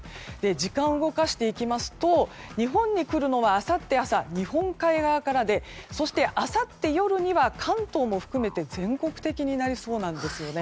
時間を動かしていきますと日本に来るのはあさって朝、日本海側からであさって夜には関東も含めて全国的になりそうなんですよね。